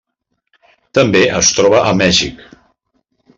També es troba a Mèxic.